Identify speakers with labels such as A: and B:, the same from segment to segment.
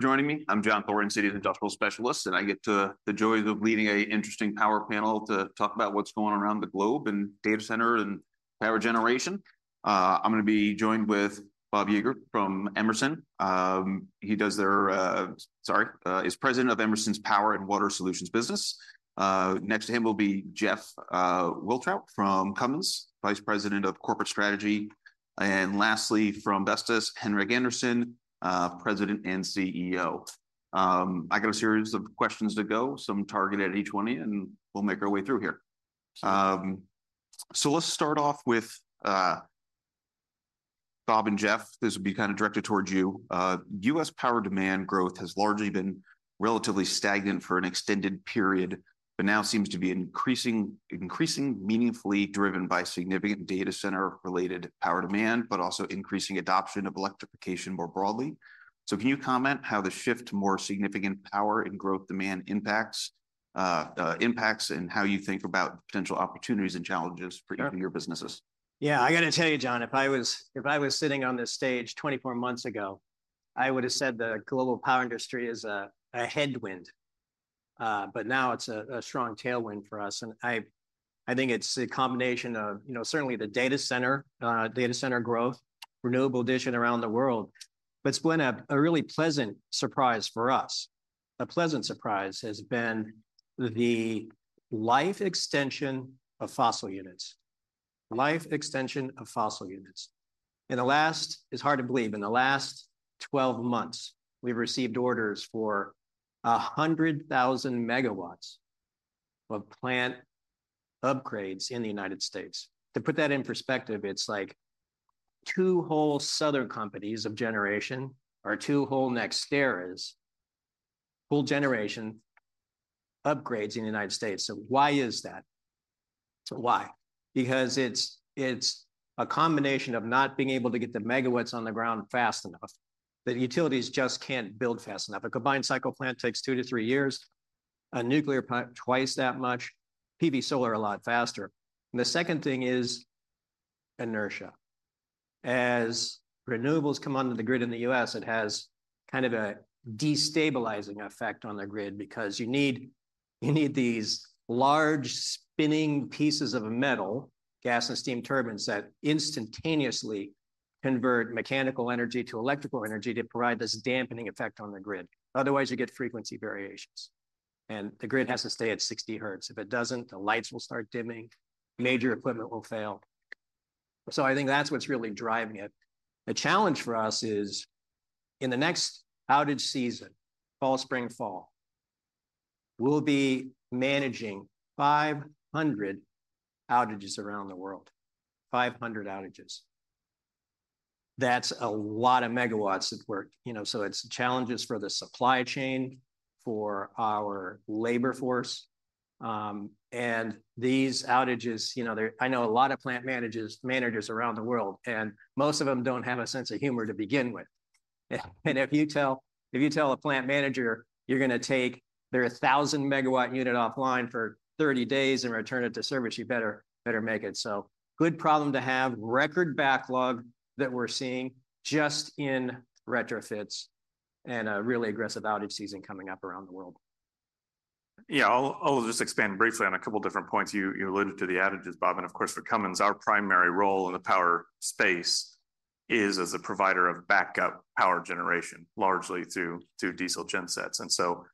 A: Joining me. I'm John Thornton, Citi Industrial Specialist, and I get the joy of leading an interesting power panel to talk about what's going on around the globe in data center and power generation. I'm going to be joined with Rob Yeager from Emerson. He is president of Emerson's Power and Water Solutions business. Next to him will be Jeff Wiltrout from Cummins, vice president of corporate strategy. And lastly, from Vestas, Henrik Andersen, president and CEO. I got a series of questions to go, some targeted at each one, and we'll make our way through here. So let's start off with Rob and Jeff. This will be kind of directed towards you. U.S. power demand growth has largely been relatively stagnant for an extended period, but now seems to be increasingly meaningfully driven by significant data center-related power demand, but also increasing adoption of electrification more broadly. So can you comment on how the shift to more significant power and growth demand impacts and how you think about potential opportunities and challenges for your businesses?
B: Yeah, I got to tell you, John, if I was sitting on this stage 24 months ago, I would have said the global power industry is a headwind. But now it's a strong tailwind for us. And I think it's a combination of, you know, certainly the data center growth, renewable addition around the world. But it's been a really pleasant surprise for us. A pleasant surprise has been the life extension of fossil units. Life extension of fossil units. And the last, it's hard to believe, in the last 12 months, we've received orders for 100,000 megawatts of plant upgrades in the United States. To put that in perspective, it's like two whole Southern Company of generation or two whole NextEras, whole generation upgrades in the United States. So why is that? Why? Because it's a combination of not being able to get the megawatts on the ground fast enough. The utilities just can't build fast enough. A combined cycle plant takes two to three years. A nuclear plant, twice that much. PV solar, a lot faster. And the second thing is Inertia. As renewables come onto the grid in the U.S., it has kind of a destabilizing effect on the grid because you need these large spinning pieces of metal, gas and Steam Turbines that instantaneously convert mechanical energy to electrical energy to provide this dampening effect on the grid. Otherwise, you get frequency variations. And the grid has to stay at 60 hertz. If it doesn't, the lights will start dimming. Major equipment will fail. So I think that's what's really driving it. The challenge for us is in the next outage season, fall, spring, fall, we'll be managing 500 outages around the world. 500 outages. That's a lot of megawatts of work. You know, so it's challenges for the supply chain, for our labor force, and these outages. You know, I know a lot of plant managers around the world, and most of them don't have a sense of humor to begin with. And if you tell a plant manager you're going to take their 1,000 megawatt unit offline for 30 days and return it to service, you better make it, so good problem to have. Record backlog that we're seeing just in retrofits and a really aggressive outage season coming up around the world.
A: Yeah, I'll just expand briefly on a couple of different points. You alluded to the outages, Rob, and of course, for Cummins, our primary role in the power space is as a provider of backup power generation, largely through diesel gensets, and so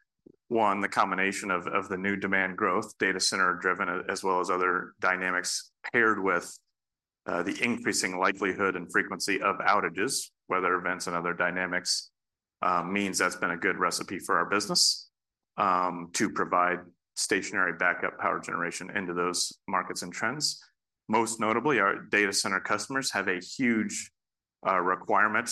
A: one, the combination of the new demand growth, data center-driven, as well as other dynamics paired with the increasing likelihood and frequency of outages, weather events, and other dynamics means that's been a good recipe for our business to provide stationary backup power generation into those markets and trends. Most notably, our data center customers have a huge requirement,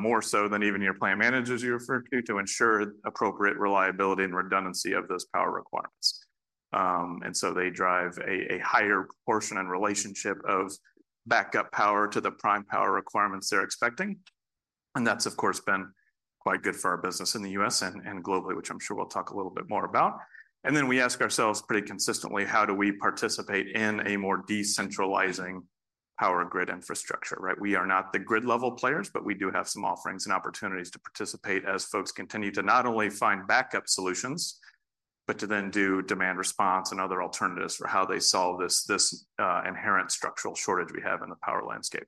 A: more so than even your plant managers you refer to, to ensure appropriate reliability and redundancy of those power requirements, and so they drive a higher portion and relationship of backup power to the prime power requirements they're expecting. And that's, of course, been quite good for our business in the U.S. and globally, which I'm sure we'll talk a little bit more about. And then we ask ourselves pretty consistently, how do we participate in a more decentralizing power grid infrastructure, right? We are not the grid-level players, but we do have some offerings and opportunities to participate as folks continue to not only find backup solutions, but to then do demand response and other alternatives for how they solve this inherent structural shortage we have in the power landscape.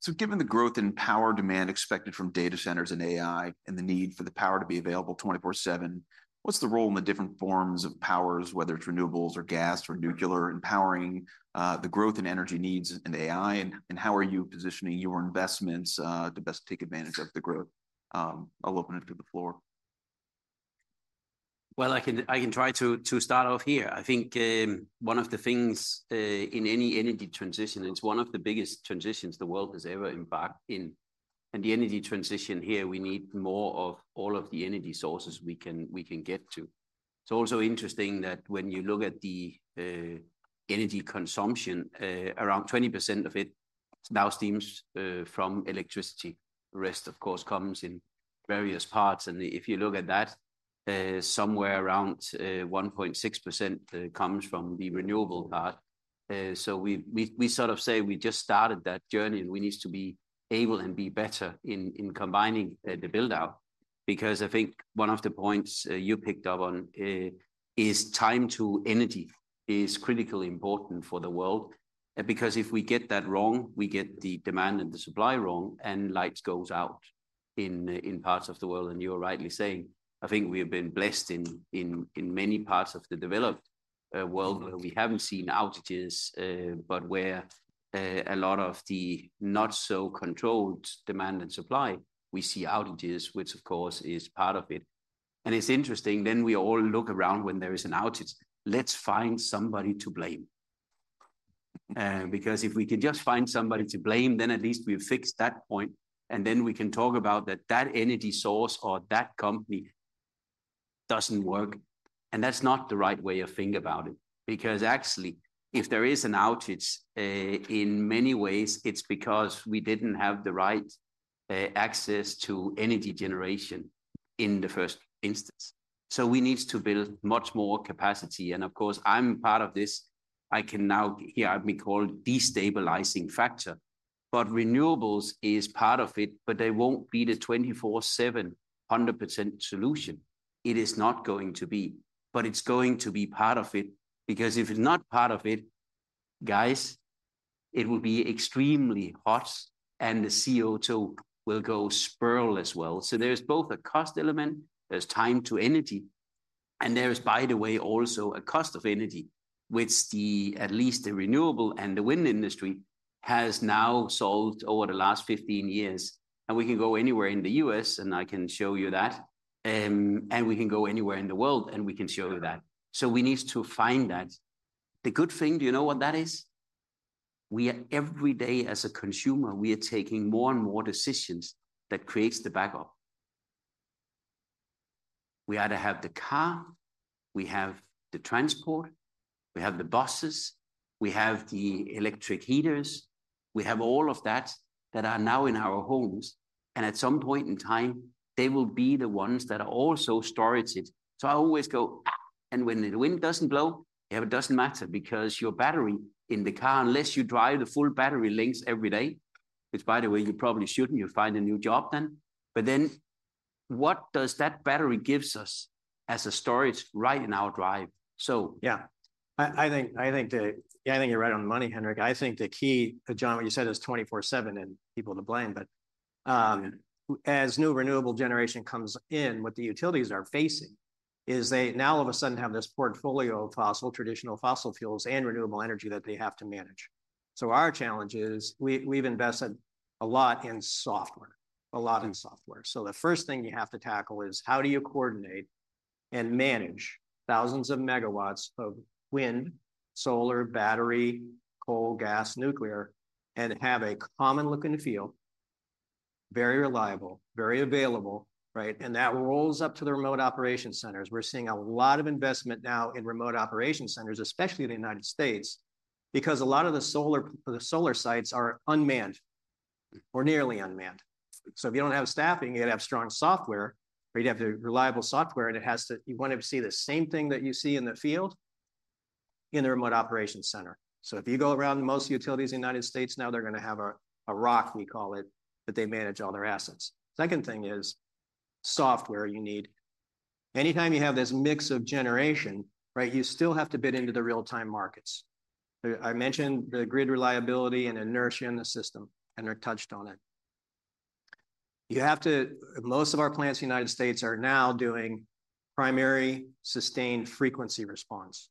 B: So given the growth in power demand expected from Data Centers and AI and the need for the power to be available 24/7, what's the role in the different forms of powers, whether it's renewables or gas or nuclear, in powering the growth in energy needs and AI? And how are you positioning your investments to best take advantage of the growth? I'll open it to the floor.
C: I can try to start off here. I think one of the things in any energy transition, it's one of the biggest transitions the world has ever embarked in. The energy transition here, we need more of all of the energy sources we can get to. It's also interesting that when you look at the energy consumption, around 20% of it now stems from electricity. The rest, of course, comes in various parts. If you look at that, somewhere around 1.6% comes from the renewable part. We sort of say we just started that journey, and we need to be able and be better in combining the buildout. Because I think one of the points you picked up on is time to energy is critically important for the world. Because if we get that wrong, we get the demand and the supply wrong, and light goes out in parts of the world. And you're rightly saying, I think we have been blessed in many parts of the developed world where we haven't seen outages, but where a lot of the not-so-controlled demand and supply, we see outages, which, of course, is part of it. And it's interesting, then we all look around when there is an outage, let's find somebody to blame. Because if we can just find somebody to blame, then at least we've fixed that point. And then we can talk about that energy source or that company doesn't work. And that's not the right way of thinking about it. Because actually, if there is an outage, in many ways, it's because we didn't have the right access to energy generation in the first instance. So we need to build much more capacity. And of course, I'm part of this. I know I've been called a destabilizing factor. But renewables is part of it, but they won't be the 24/7 100% solution. It is not going to be, but it's going to be part of it. Because if it's not part of it, guys, it will be extremely hot, and the CO2 will go soaringly as well. So there is both a cost element, there's time to energy, and there is, by the way, also a cost of energy, which at least the renewables and the Wind Industry has now solved over the last 15 years. And we can go anywhere in the U.S., and I can show you that. And we can go anywhere in the world, and we can show you that. So we need to find that. The good thing, do you know what that is? We are every day as a consumer, we are taking more and more decisions that create the backup. We either have the car, we have the transport, we have the buses, we have the electric heaters. We have all of that that are now in our homes. And at some point in time, they will be the ones that are also storage it. So I always go, and when the wind doesn't blow, it doesn't matter because your battery in the car, unless you drive the full battery length every day, which, by the way, you probably shouldn't, you find a new job then. But then what does that battery give us as a storage right in our drive? So.
B: Yeah. I think you're right on the money, Henrik. I think the key, John, what you said is 24/7 and people to blame. But as new renewable generation comes in, what the utilities are facing is they now all of a sudden have this portfolio of fossil, traditional fossil fuels and renewable energy that they have to manage. So our challenge is we've invested a lot in software, a lot in software. So the first thing you have to tackle is how do you coordinate and manage thousands of megawatts of wind, solar, battery, coal, gas, nuclear, and have a common look and feel, very reliable, very available, right? And that rolls up to the remote operation centers. We're seeing a lot of investment now in remote operation centers, especially in the United States, because a lot of the solar sites are unmanned or nearly unmanned. So if you don't have staffing, you have to have strong software, or you'd have to have reliable software, and it has to. You want to see the same thing that you see in the field in the remote operation center. If you go around most utilities in the United States, now they're going to have a ROC, we call it, that they manage all their assets. Second thing is software you need. Anytime you have this mix of generation, right, you still have to bid into the real-time markets. I mentioned the grid reliability and Inertia in the system. Henrik touched on it. You have to. Most of our plants in the United States are now doing primary sustained Frequency Response,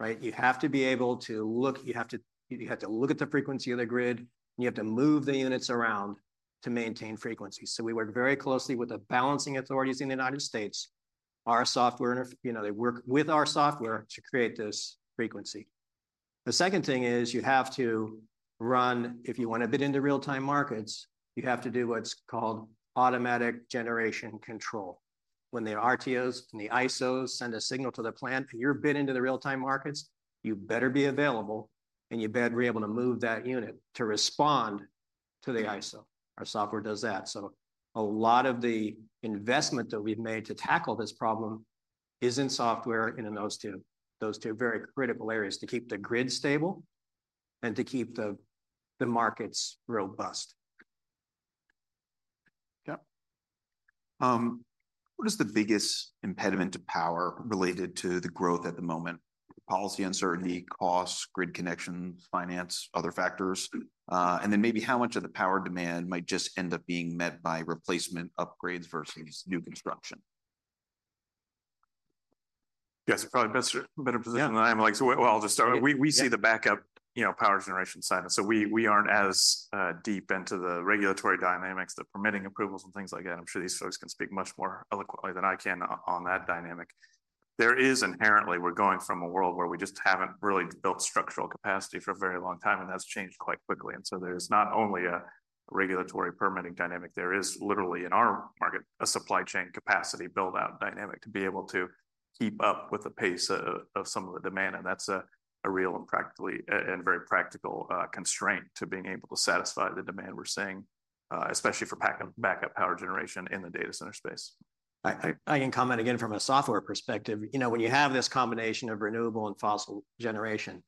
B: right? You have to be able to look at the frequency of the grid, and you have to move the units around to maintain frequency. We work very closely with the balancing authorities in the United States. Our software, you know, they work with our software to create this frequency. The second thing is you have to run, if you want to bid into real-time markets, you have to do what's called automatic generation control. When the RTOs and the ISOs send a signal to the plant, you're bid into the real-time markets, you better be available, and you better be able to move that unit to respond to the ISO. Our software does that. A lot of the investment that we've made to tackle this problem is in software and in those two very critical areas to keep the grid stable and to keep the markets robust.
A: Yeah. What is the biggest impediment to power related to the growth at the moment? Policy uncertainty, costs, grid connections, finance, other factors? And then maybe how much of the power demand might just end up being met by replacement upgrades versus new construction? Yes, probably a better position than I am, Alex. Well, I'll just start. We see the backup power generation side. So we aren't as deep into the regulatory dynamics, the permitting approvals and things like that. I'm sure these folks can speak much more eloquently than I can on that dynamic. There is inherently, we're going from a world where we just haven't really built structural capacity for a very long time, and that's changed quite quickly. And so there is not only a regulatory permitting dynamic, there is literally in our market a supply chain capacity buildout dynamic to be able to keep up with the pace of some of the demand. And that's a real and very practical constraint to being able to satisfy the demand we're seeing, especially for backup power generation in the data center space.
B: I can comment again from a software perspective. You know, when you have this combination of renewable and fossil generation,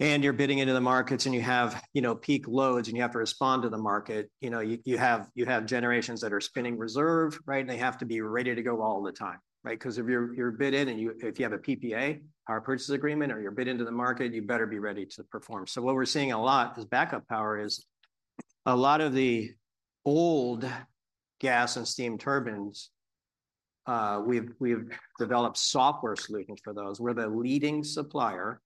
B: and you're bidding into the markets and you have peak loads and you have to respond to the market, you have generations that are spinning reserve, right? And they have to be ready to go all the time, right? Because if you're bid in and if you have a PPA, power purchase agreement, or you're bid into the market, you better be ready to perform. So what we're seeing a lot is backup power is a lot of the old gas and Steam Turbines. We've developed software solutions for those. We're the leading supplier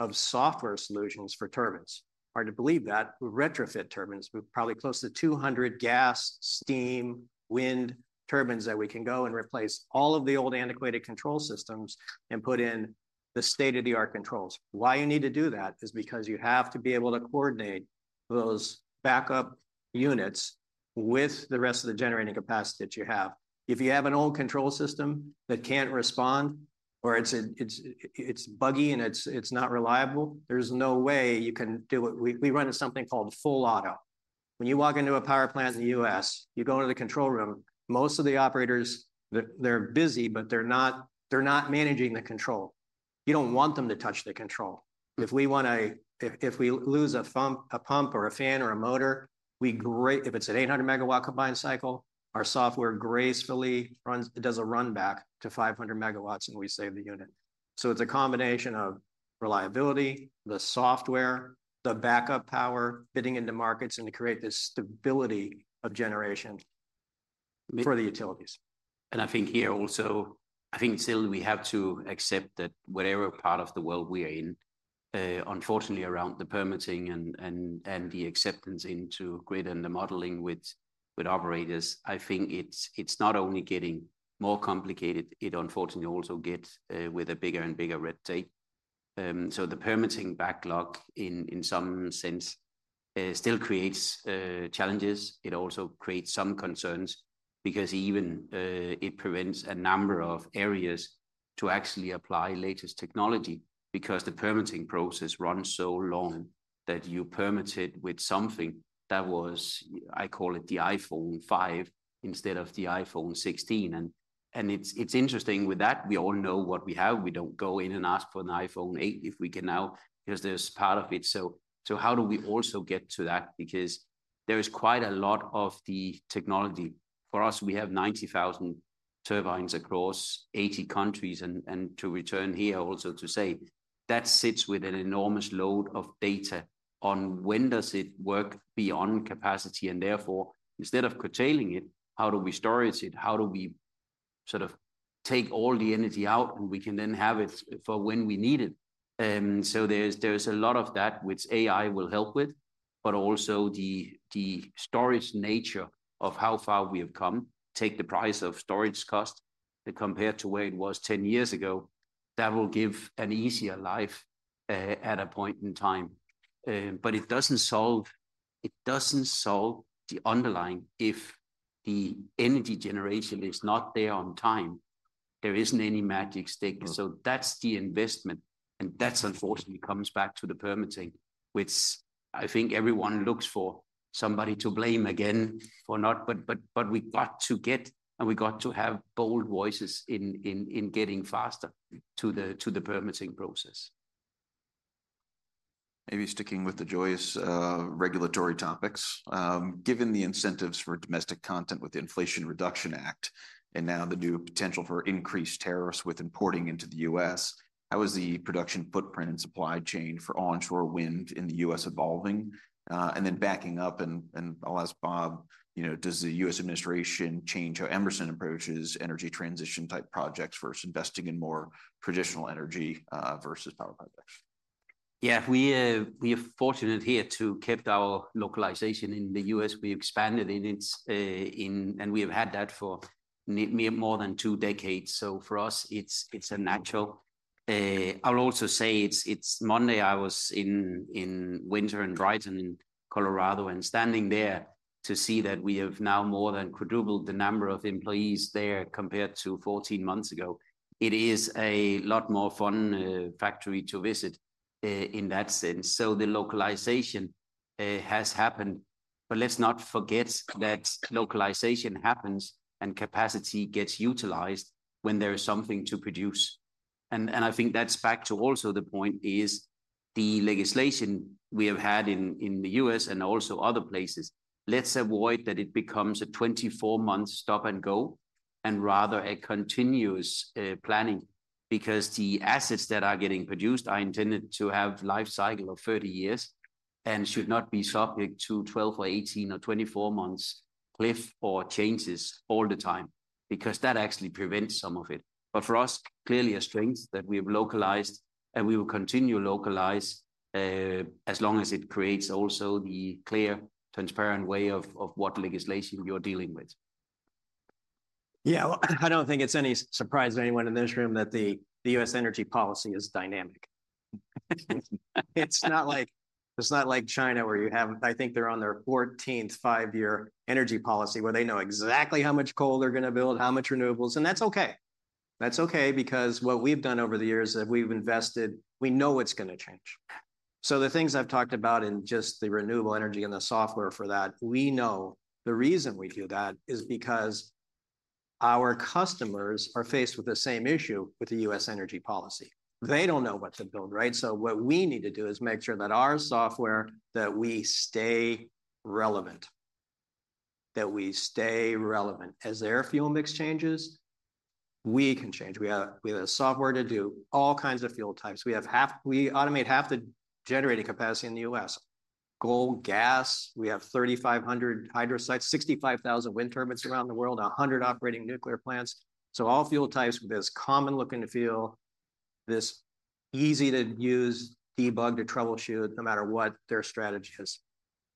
B: of software solutions for turbines. Hard to believe that. We've retrofitted turbines. We've probably close to 200 gas, steam, Wind Turbines that we can go and replace all of the old antiquated Control Systems and put in the state-of-the-art controls. Why you need to do that is because you have to be able to coordinate those backup units with the rest of the generating capacity that you have. If you have an old control system that can't respond or it's buggy and it's not reliable, there's no way you can do it. We run something called full auto. When you walk into a power plant in the U.S., you go into the control room, most of the operators, they're busy, but they're not managing the control. You don't want them to touch the control. If we lose a pump or a fan or a motor, if it's an 800-megawatt combined cycle, our software gracefully does a run back to 500 megawatts and we save the unit. So it's a combination of reliability, the software, the backup power, bidding into markets and to create this stability of generation for the utilities.
C: I think here also, I think still we have to accept that whatever part of the world we are in, unfortunately around the permitting and the acceptance into grid and the modeling with operators, I think it's not only getting more complicated, it unfortunately also gets with a bigger and bigger red tape. The permitting backlog in some sense still creates challenges. It also creates some concerns because even it prevents a number of areas to actually apply latest technology because the permitting process runs so long that you permitted with something that was, I call it the iPhone 5 instead of the iPhone 16. It's interesting with that, we all know what we have. We don't go in and ask for an iPhone 8 if we can now, because there's part of it. How do we also get to that? Because there is quite a lot of the technology. For us, we have 90,000 turbines across 80 countries, and to return here also to say that sits with an enormous load of data on when does it work beyond capacity, and therefore, instead of curtailing it, how do we store it? How do we sort of take all the energy out and we can then have it for when we need it, so there's a lot of that which AI will help with, but also the storage nature of how far we have come. Take the price of storage cost compared to where it was 10 years ago; that will give an easier life at a point in time, but it doesn't solve the underlying if the energy generation is not there on time. There isn't any magic wand, so that's the investment. That unfortunately comes back to the permitting, which I think everyone looks for somebody to blame again for not. But we got to have bold voices in getting faster to the permitting process.
A: Maybe sticking with the joyous regulatory topics. Given the incentives for domestic content with the Inflation Reduction Act and now the new potential for increased tariffs with importing into the U.S., how is the production footprint and supply chain for onshore wind in the U.S. evolving? And then backing up, and I'll ask Rob, does the U.S. administration change how Emerson approaches energy transition type projects versus investing in more traditional energy versus power projects?
C: Yeah, we are fortunate here to keep our localization in the U.S. We expanded in it, and we have had that for more than two decades, so for us, it's a natural. I'll also say it's Monday. I was in Windsor and Brighton, Colorado, and standing there to see that we have now more than quadrupled the number of employees there compared to 14 months ago. It is a lot more fun factory to visit in that sense. So the localization has happened, but let's not forget that localization happens and capacity gets utilized when there is something to produce, and I think that's back to also the point is the legislation we have had in the U.S. and also other places. Let's avoid that it becomes a 24-month stop and go and rather a continuous planning because the assets that are getting produced are intended to have a life cycle of 30 years and should not be subject to 12 or 18 or 24 months cliff or changes all the time because that actually prevents some of it. But, for us, clearly a strength that we have localized and we will continue to localize as long as it creates also the clear, transparent way of what legislation you're dealing with.
B: Yeah, I don't think it's any surprise to anyone in this room that the U.S. energy policy is dynamic. It's not like China where you have, I think they're on their 14th five-year energy policy where they know exactly how much coal they're going to build, how much renewables, and that's okay. That's okay because what we've done over the years is we've invested, we know what's going to change. So the things I've talked about in just the renewable energy and the software for that, we know the reason we do that is because our customers are faced with the same issue with the U.S. energy policy. They don't know what to build, right? So what we need to do is make sure that our software, that we stay relevant, that we stay relevant as air fuel mix changes, we can change. We have software to do all kinds of fuel types. We automate half the generating capacity in the U.S. Coal, gas, we have 3,500 hydro sites, 65,000 Wind Turbines around the world, 100 operating nuclear plants. So all fuel types with this common look and feel, this easy to use, debug to troubleshoot no matter what their strategy is.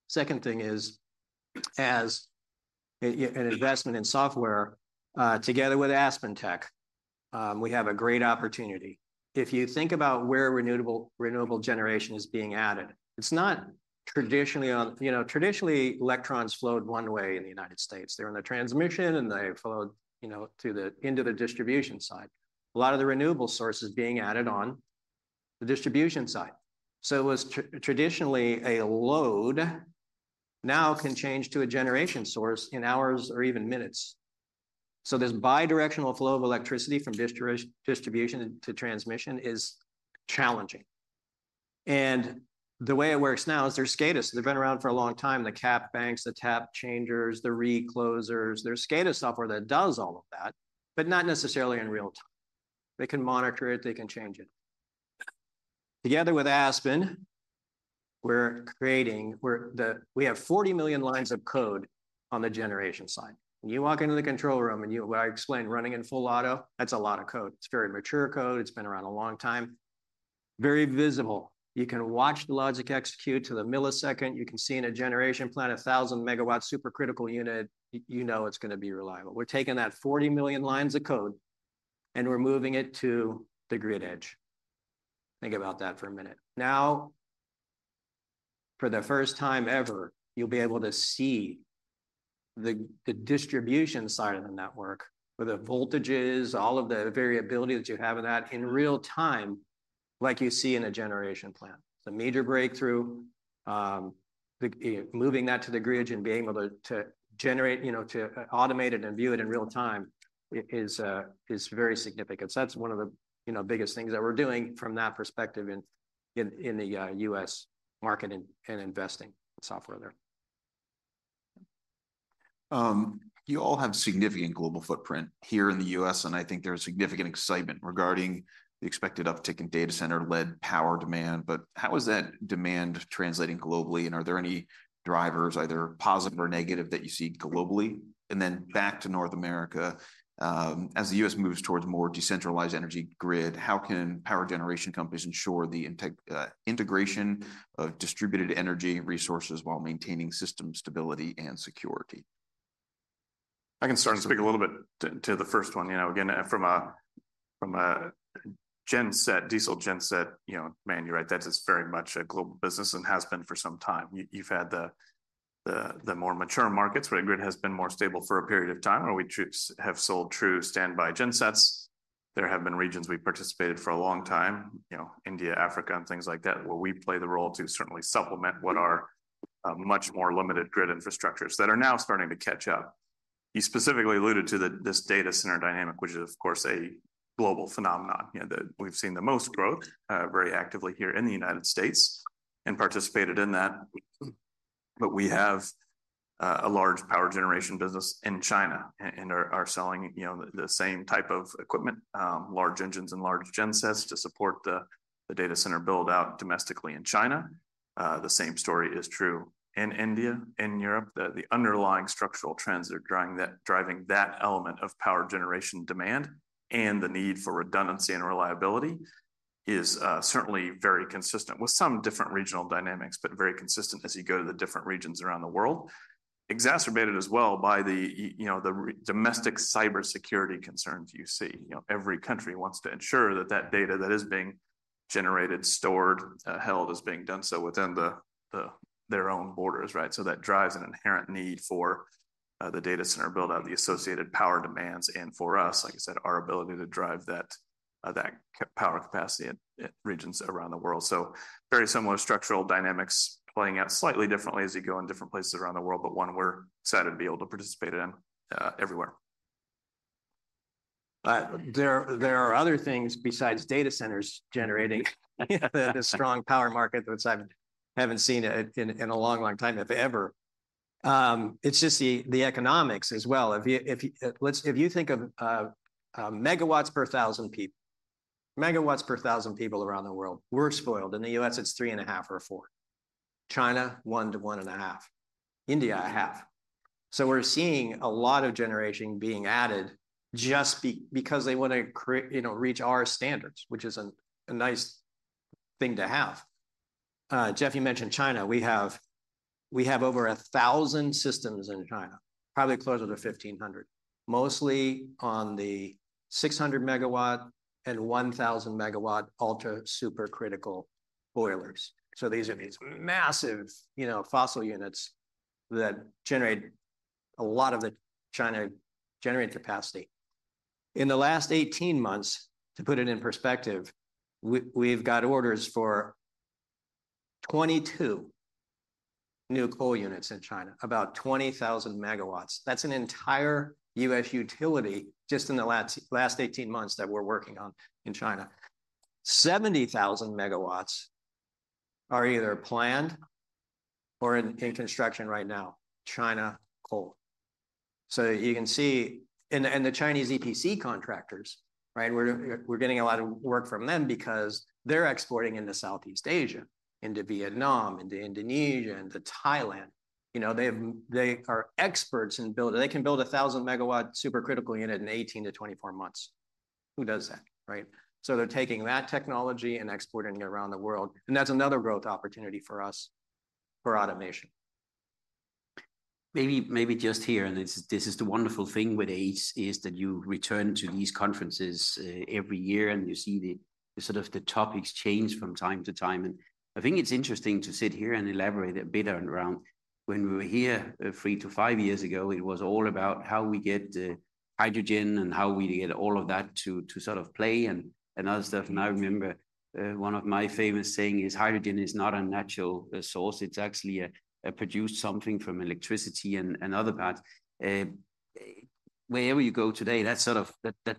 B: Second thing is as an investment in software together with AspenTech, we have a great opportunity. If you think about where renewable generation is being added, it's not traditionally on, you know, traditionally electrons flowed one way in the United States. They're in the transmission and they flowed into the distribution side. A lot of the renewable source is being added on the distribution side. So it was traditionally a load, now can change to a generation source in hours or even minutes. So this bidirectional flow of electricity from distribution to transmission is challenging. And the way it works now is there's SCADAs. They've been around for a long time. The cap banks, the tap changers, the reclosers, there's SCADAs software that does all of that, but not necessarily in real time. They can monitor it, they can change it. Together with Aspen, we're creating, we have 40 million lines of code on the generation side. When you walk into the control room and you, I explain running in full auto, that's a lot of code. It's very mature code. It's been around a long time. Very visible. You can watch the logic execute to the millisecond. You can see in a generation plant a 1,000-megawatt supercritical unit. You know it's going to be reliable. We're taking that 40 million lines of code and we're moving it to the grid edge. Think about that for a minute. Now, for the first time ever, you'll be able to see the distribution side of the network with the voltages, all of the variability that you have in that in real time, like you see in a generation plant. The major breakthrough, moving that to the grid and being able to generate, you know, to automate it and view it in real time is very significant. So that's one of the biggest things that we're doing from that perspective in the U.S. market and investing software there.
A: You all have significant global footprint here in the U.S., and I think there's significant excitement regarding the expected uptick in data center-led power demand. But how is that demand translating globally? And are there any drivers, either positive or negative, that you see globally? And then back to North America, as the U.S. moves towards more decentralized energy grid, how can power generation companies ensure the integration of distributed energy resources while maintaining system stability and security?
D: I can start to speak a little bit to the first one. You know, again, from a diesel genset man, you're right, that is very much a global business and has been for some time. You've had the more mature markets where the grid has been more stable for a period of time where we have sold true standby gensets. There have been regions we participated for a long time, you know, India, Africa, and things like that, where we play the role to certainly supplement what are much more limited grid infrastructures that are now starting to catch up. You specifically alluded to this data center dynamic, which is of course a global phenomenon. We've seen the most growth very actively here in the United States and participated in that. But we have a large power generation business in China and are selling the same type of equipment, large engines and large gensets to support the data center build-out domestically in China. The same story is true in India, in Europe. The underlying structural trends are driving that element of power generation demand and the need for redundancy and reliability is certainly very consistent with some different regional dynamics, but very consistent as you go to the different regions around the world. Exacerbated as well by the domestic cybersecurity concerns you see. Every country wants to ensure that that data that is being generated, stored, held is being done so within their own borders, right? So that drives an inherent need for the data center build-out, the associated power demands, and for us, like I said, our ability to drive that power capacity in regions around the world. So very similar structural dynamics playing out slightly differently as you go in different places around the world, but one we're excited to be able to participate in everywhere.
B: There are other things besides Data Centers generating a strong power market that I haven't seen in a long, long time, if ever. It's just the economics as well. If you think of megawatts per thousand people, megawatts per thousand people around the world, we're spoiled. In the U.S., it's three and a half or four. China, one to one and a half. India, a half. So we're seeing a lot of generation being added just because they want to reach our standards, which is a nice thing to have. Jeff, you mentioned China. We have over a thousand systems in China, probably closer to 1,500, mostly on the 600-megawatt and 1,000-megawatt ultra-supercritical boilers. So these are massive fossil units that generate a lot of the China-generated capacity. In the last 18 months, to put it in perspective, we've got orders for 22 new coal units in China, about 20,000 MW. That's an entire U.S. utility just in the last 18 months that we're working on in China. 70,000 MW are either planned or in construction right now, China coal. So you can see in the Chinese EPC contractors, right? We're getting a lot of work from them because they're exporting into Southeast Asia, into Vietnam, into Indonesia, into Thailand. You know, they are experts in building. They can build a 1,000-MW supercritical unit in 18-24 months. Who does that, right? So they're taking that technology and exporting it around the world. And that's another growth opportunity for us for automation.
C: Maybe just here, and this is the wonderful thing with ACE is that you return to these conferences every year and you see sort of the topics change from time to time. I think it's interesting to sit here and elaborate a bit around when we were here three to five years ago. It was all about how we get the hydrogen and how we get all of that to sort of play and other stuff. I remember one of my famous sayings is, "Hydrogen is not a natural source. It's actually a produced something from electricity and other parts." Wherever you go today, that sort of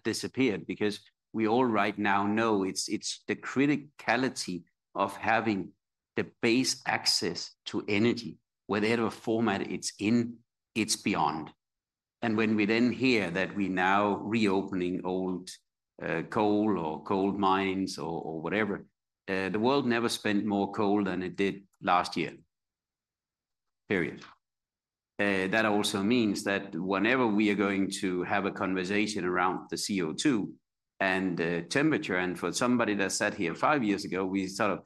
C: disappeared because we all right now know it's the criticality of having the base access to energy whether in a format, it's in, it's beyond. And when we then hear that we're now reopening old coal or coal mines or whatever, the world never spent more coal than it did last year, period. That also means that whenever we are going to have a conversation around the CO2 and temperature, and for somebody that sat here five years ago, we sort of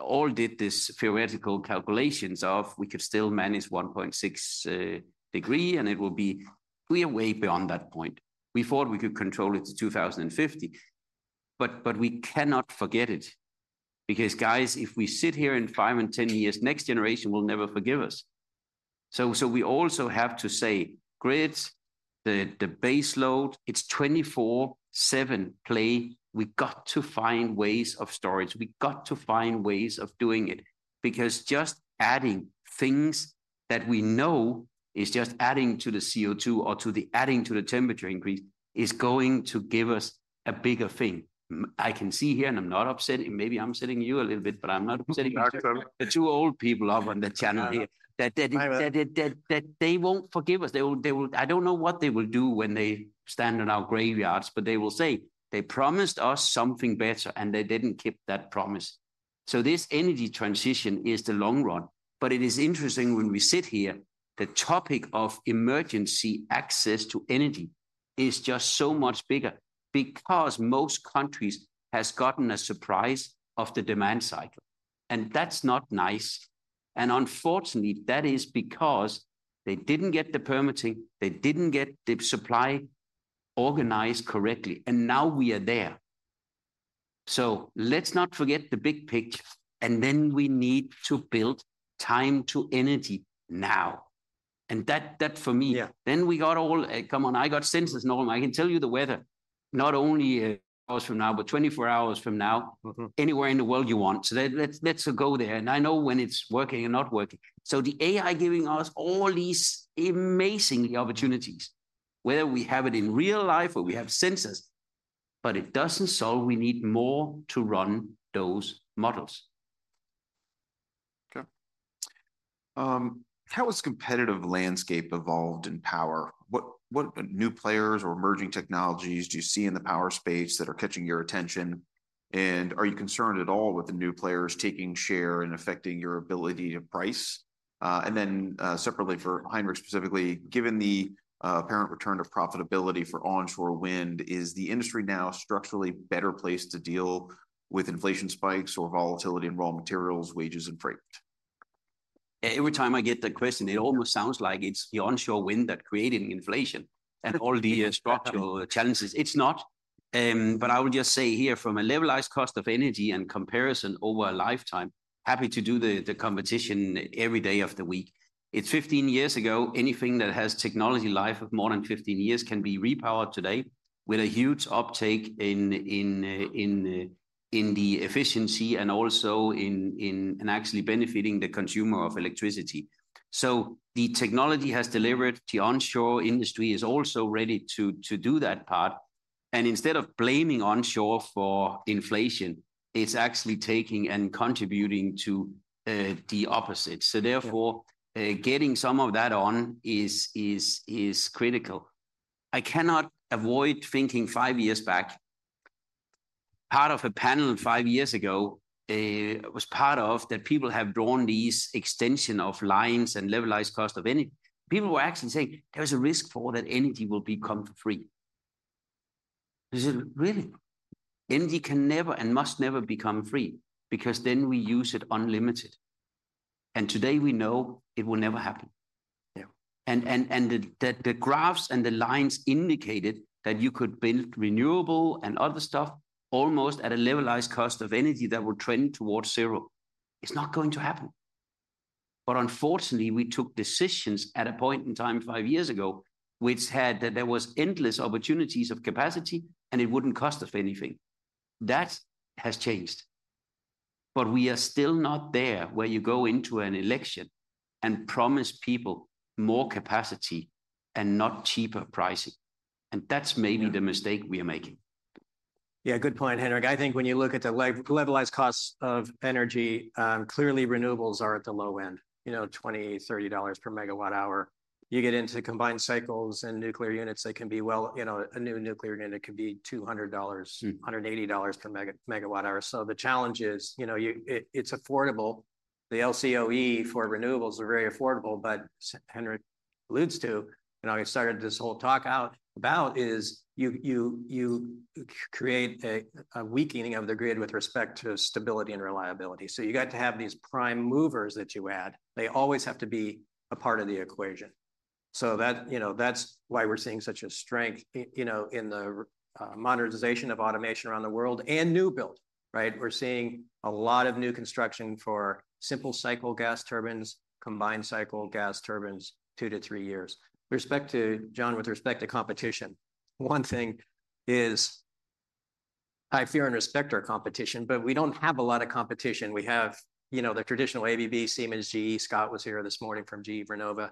C: all did this theoretical calculations of we could still manage 1.6 degree and it will be way beyond that point. We thought we could control it to 2050, but we cannot forget it because, guys, if we sit here in five and 10 years, next generation will never forgive us. So we also have to say grids, the baseload, it's 24/7 play. We got to find ways of storage. We got to find ways of doing it because just adding things that we know is just adding to the CO2 or adding to the temperature increase is going to give us a bigger thing. I can see here and I'm not upsetting, maybe I'm setting you a little bit, but I'm not upsetting the two old people up on the channel here that they won't forgive us. I don't know what they will do when they stand in our graveyards, but they will say they promised us something better and they didn't keep that promise, so this energy transition is the long run, but it is interesting when we sit here. The topic of emergency access to energy is just so much bigger because most countries have gotten a surprise of the demand cycle, and that's not nice. And unfortunately, that is because they didn't get the permitting, they didn't get the supply organized correctly, and now we are there. So let's not forget the big picture. And then we need to build time to energy now. And that for me, then we got all, come on, I got sensors and all, I can tell you the weather, not only hours from now, but 24 hours from now, anywhere in the world you want. So let's go there. And I know when it's working and not working. So the AI giving us all these amazing opportunities, whether we have it in real life or we have sensors, but it doesn't solve, we need more to run those models.
A: How has the competitive landscape evolved in power? What new players or emerging technologies do you see in the power space that are catching your attention? And are you concerned at all with the new players taking share and affecting your ability to price? And then separately for Henrik specifically, given the apparent return of profitability for onshore wind, is the industry now structurally better placed to deal with inflation spikes or volatility in raw materials, wages, and freight?
C: Every time I get the question, it almost sounds like it's the onshore wind that's creating inflation and all the structural challenges. It's not. But I will just say here from a levelized cost of energy and comparison over a lifetime, happy to do the competition every day of the week. It's 15 years ago. Anything that has technology life of more than 15 years can be repowered today with a huge uptake in the efficiency and also in actually benefiting the consumer of electricity. So the technology has delivered. The onshore industry is also ready to do that part. And instead of blaming onshore for inflation, it's actually taking and contributing to the opposite. So therefore, getting some of that on is critical. I cannot avoid thinking five years back. Part of a panel five years ago was part of that. People have drawn these extensions of lines and levelized cost of energy. People were actually saying there's a risk for that energy will become free. They said, "Really? Energy can never and must never become free because then we use it unlimited." And today we know it will never happen. And the graphs and the lines indicated that you could build renewable and other stuff almost at a levelized cost of energy that will trend towards zero. It's not going to happen. But unfortunately, we took decisions at a point in time five years ago, which had that there were endless opportunities of capacity and it wouldn't cost us anything. That has changed. But we are still not there where you go into an election and promise people more capacity and not cheaper pricing. And that's maybe the mistake we are making.
B: Yeah, good point, Henrik. I think when you look at the levelized costs of energy, clearly renewables are at the low end, you know, $20-$30 per megawatt hour. You get into combined cycles and nuclear units, they can be well, you know, a new nuclear unit could be $180-$200 per megawatt hour. So the challenge is, you know, it's affordable. The LCOE for renewables are very affordable, but Henrik alludes to, and I started this whole talk about is you create a weakening of the grid with respect to stability and reliability. So you got to have these prime movers that you add. They always have to be a part of the equation. So that, you know, that's why we're seeing such a strength, you know, in the modernization of automation around the world and new build, right? We're seeing a lot of new construction for simple cycle gas turbines, combined cycle gas turbines, two to three years. With respect to, John, with respect to competition, one thing is I fear and respect our competition, but we don't have a lot of competition. We have, you know, the traditional ABB, Siemens, GE. Scott was here this morning from GE Vernova.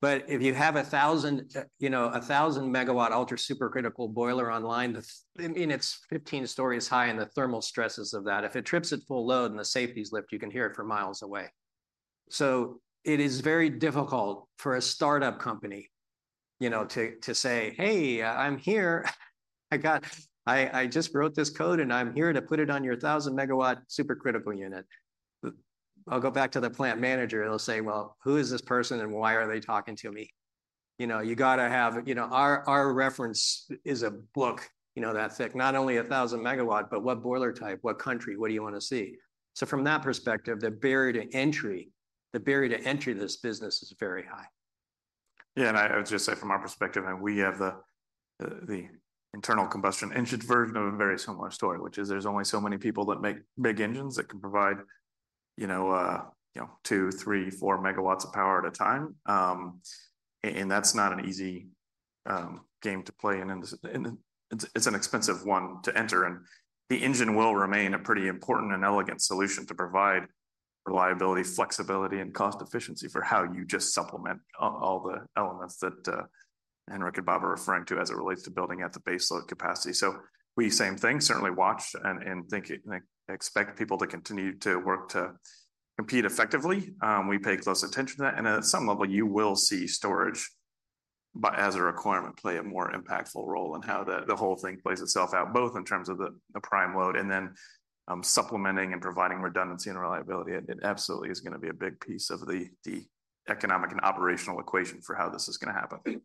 B: But if you have a thousand, you know, a thousand megawatt ultra supercritical boiler online, I mean, it's 15 stories high and the thermal stresses of that, if it trips at full load and the safety's lift, you can hear it from miles away. So it is very difficult for a startup company, you know, to say, "Hey, I'm here. I just wrote this code and I'm here to put it on your thousand megawatt supercritical unit." I'll go back to the plant manager. They'll say, "Well, who is this person and why are they talking to me?" You know, you got to have, you know, our reference is a book, you know, that thick, not only a thousand megawatt, but what boiler type, what country, what do you want to see? So from that perspective, the barrier to entry, the barrier to entry to this business is very high.
A: Yeah, and I would just say from our perspective, and we have the internal combustion engine version of a very similar story, which is there's only so many people that make big engines that can provide, you know, two, three, four megawatts of power at a time. And that's not an easy game to play. And it's an expensive one to enter. And the engine will remain a pretty important and elegant solution to provide reliability, flexibility, and cost efficiency for how you just supplement all the elements that Henrik and Rob are referring to as it relates to building at the baseload capacity. So we same thing, certainly watch and expect people to continue to work to compete effectively. We pay close attention to that. At some level, you will see storage as a requirement play a more impactful role in how the whole thing plays itself out, both in terms of the prime load and then supplementing and providing redundancy and reliability. It absolutely is going to be a big piece of the economic and operational equation for how this is going to happen.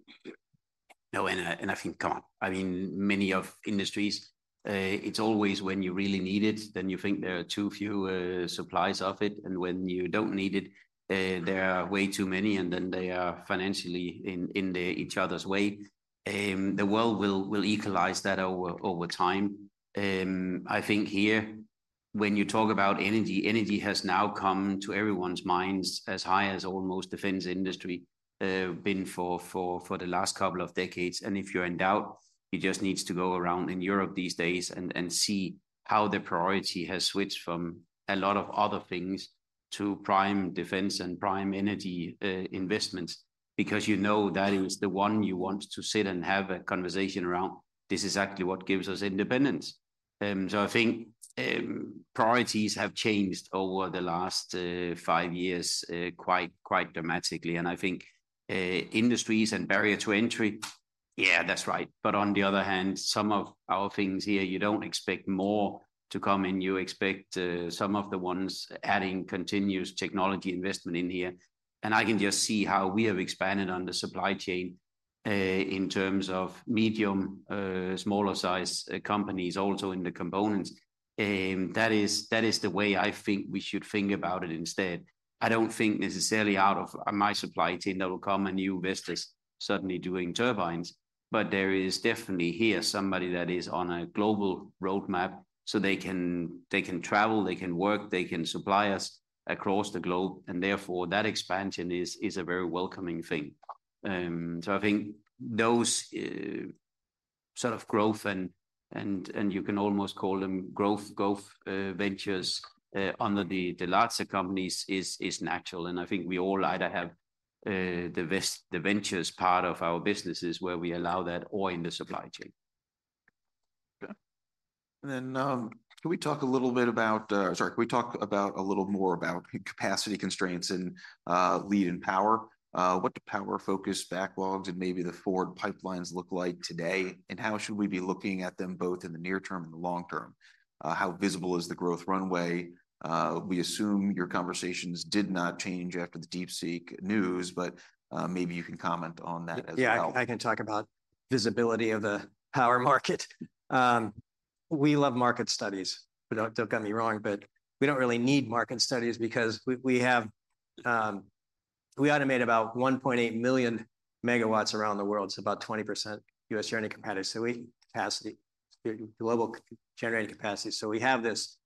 C: No, and I think, come on, I mean, in many industries, it's always when you really need it, then you think there are too few suppliers of it. And when you don't need it, there are way too many, and then they are financially in each other's way. The world will equalize that over time. I think here, when you talk about energy, energy has now come to everyone's minds as high as almost the defense industry has been for the last couple of decades. And if you're in doubt, you just need to go around in Europe these days and see how the priority has switched from a lot of other things to prime defense and prime energy investments because you know that is the one you want to sit and have a conversation around. This is actually what gives us independence. So I think priorities have changed over the last five years quite dramatically. And I think industries and barriers to entry, yeah, that's right. But on the other hand, some of our things here, you don't expect more to come in. You expect some of the ones adding continuous technology investment in here. And I can just see how we have expanded on the supply chain in terms of medium, smaller size companies also in the components. That is the way I think we should think about it instead. I don't think necessarily out of my supply chain that will come and new investors suddenly doing turbines, but there is definitely here somebody that is on a global roadmap so they can travel, they can work, they can supply us across the globe. And therefore, that expansion is a very welcoming thing. So, I think those sort of growth and you can almost call them growth ventures under the larger companies is natural. And I think we all either have the ventures part of our businesses where we allow that or in the supply chain.
A: And then can we talk a little bit about, sorry, can we talk about a little more about capacity constraints and lead in power? What do power focus backlogs and maybe the Ford pipelines look like today? And how should we be looking at them both in the near term and the long term? How visible is the growth runway? We assume your conversations did not change after the DeepSeek news, but maybe you can comment on that as well.
B: Yeah, I can talk about visibility of the power market. We love market studies, don't get me wrong, but we don't really need market studies because we automate about 1.8 million megawatts around the world. It's about 20% US generating capacity, global generating capacity. So we have this,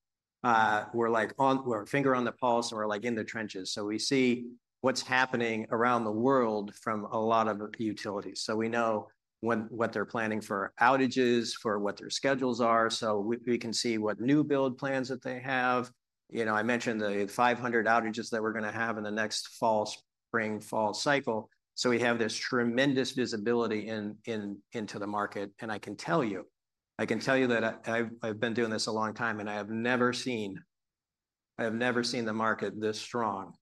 B: we're like on, we're finger on the pulse and we're like in the trenches. So we see what's happening around the world from a lot of utilities. So we know what they're planning for outages, for what their schedules are. So we can see what new build plans that they have. You know, I mentioned the 500 outages that we're going to have in the next fall, spring, fall cycle. So we have this tremendous visibility into the market. I can tell you, I can tell you that I've been doing this a long time and I have never seen, I have never seen the market this strong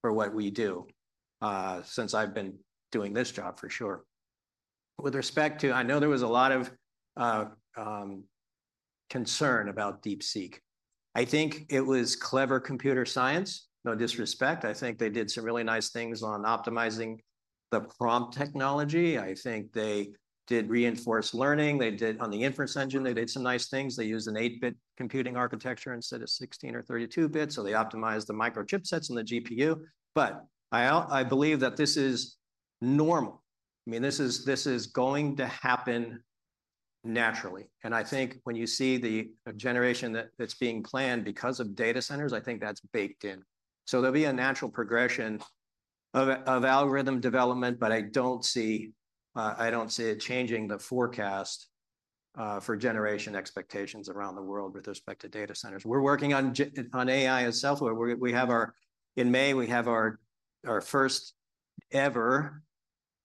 B: for what we do since I've been doing this job for sure. With respect to, I know there was a lot of concern about DeepSeek. I think it was clever computer science, no disrespect. I think they did some really nice things on optimizing the prompt technology. I think they did reinforcement learning. They did on the inference engine, they did some nice things. They used an eight-bit computing architecture instead of 16 or 32 bits. So they optimized the microchip sets and the GPU. But I believe that this is normal. I mean, this is going to happen naturally. I think when you see the generation that's being planned because of Data Centers, I think that's baked in. There'll be a natural progression of algorithm development, but I don't see it changing the forecast for generation expectations around the world with respect to Data Centers. We're working on AI itself. We have our, in May, we have our first ever,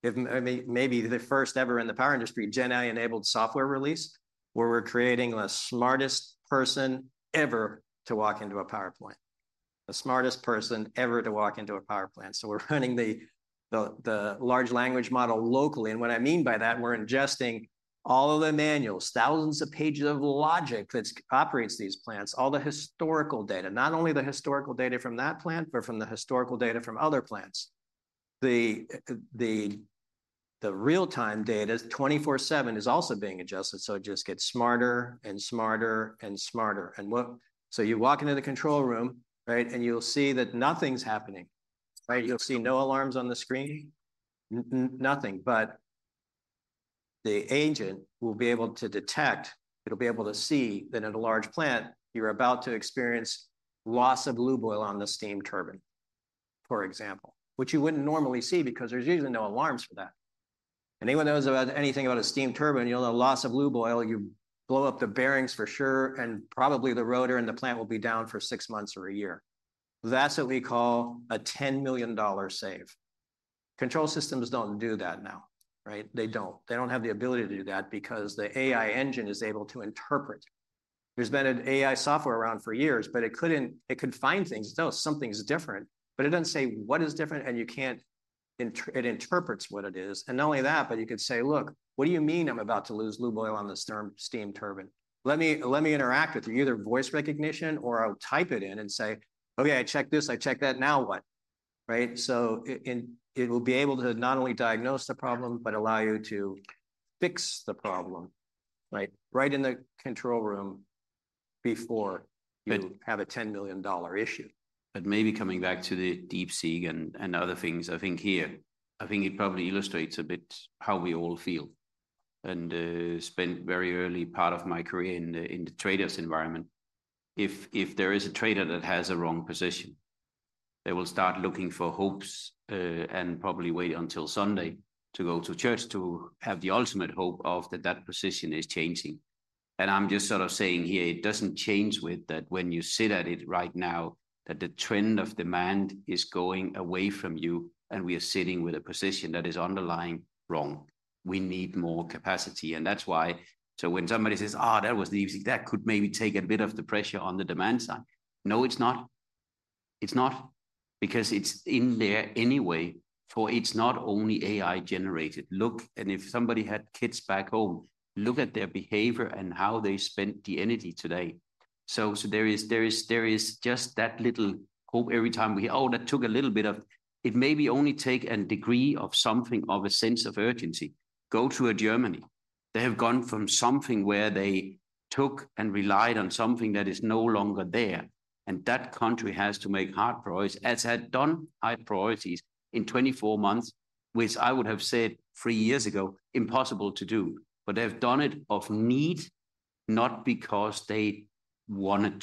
B: maybe the first ever in the power industry, GenAI-enabled software release where we're creating the smartest person ever to walk into a power plant, the smartest person ever to walk into a power plant. We're running the large language model locally. What I mean by that, we're ingesting all of the manuals, thousands of pages of logic that operates these plants, all the historical data, not only the historical data from that plant, but from the historical data from other plants. The real-time data 24/7 is also being adjusted, so it just gets smarter and smarter and smarter. And so you walk into the control room, right, and you'll see that nothing's happening. You'll see no alarms on the screen, nothing. But the agent will be able to detect. It'll be able to see that in a large plant, you're about to experience loss of lube oil on the steam turbine, for example, which you wouldn't normally see because there's usually no alarms for that. Anyone knows about anything about a steam turbine, you'll know loss of lube oil. You blow up the bearings for sure, and probably the rotor and the plant will be down for six months or a year. That's what we call a $10 million save. Control systems don't do that now, right? They don't. They don't have the ability to do that because the AI engine is able to interpret. There's been an AI software around for years, but it could find things. No, something's different, but it doesn't say what is different and you can't, it interprets what it is. And not only that, but you could say, "Look, what do you mean I'm about to lose lube oil on this steam turbine? Let me interact with you." Either voice recognition or I'll type it in and say, "Okay, I checked this, I checked that, now what?" Right? So it will be able to not only diagnose the problem, but allow you to fix the problem, right? Right in the control room before you have a $10 million issue.
C: But maybe coming back to the DeepSeek and other things, I think here, I think it probably illustrates a bit how we all feel, and I spent a very early part of my career in the traders' environment. If there is a trader that has a wrong position, they will start looking for hopes and probably wait until Sunday to go to church to have the ultimate hope of that that position is changing, and I'm just sort of saying here, it doesn't change with that when you sit at it right now, that the trend of demand is going away from you and we are sitting with a position that is underlying wrong. We need more capacity, and that's why, so when somebody says, "Oh, that was DeepSeek, that could maybe take a bit of the pressure on the demand side." No, it's not. It's not because it's in there anyway for it's not only AI generated. Look, and if somebody had kids back home, look at their behavior and how they spent the energy today. So there is just that little hope every time we hear, "Oh, that took a little bit of," it maybe only take a degree of something of a sense of urgency. Go to Germany. They have gone from something where they took and relied on something that is no longer there. And that country has to make hard priorities, as had done high priorities in 24 months, which I would have said three years ago, impossible to do. But they have done it of need, not because they wanted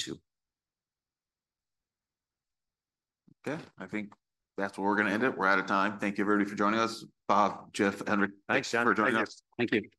C: to.
A: Okay, I think that's where we're going to end it. We're out of time. Thank you, everybody, for joining us. Rob, Jeff, Henrik, thanks for joining us.
B: Thank you.